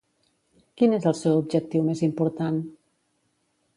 Quin és el seu objectiu més important?